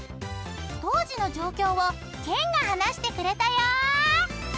［当時の状況をケンが話してくれたよ］